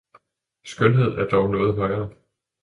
Skønhed er dog noget højere!